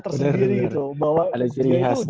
tersendiri gitu bahwa ada jirikan